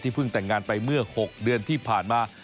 เพิ่งแต่งงานไปเมื่อ๖เดือนที่ผ่านมา